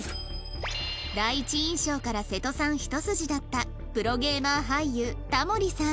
第一印象から瀬戸さんひと筋だったプロゲーマー俳優田森さん